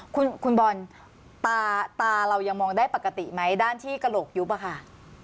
คุณบอลตาตาเรายังมองได้ปกติไหมด้านที่กระโหลกยุบอะค่ะ